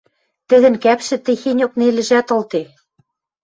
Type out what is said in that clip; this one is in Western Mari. Тӹдӹн кӓпшӹ техеньок нелӹжӓт ылде...